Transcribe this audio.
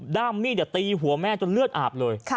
ดั้มนี่เดือดตีหัวแม่จนเลือดอาปเลย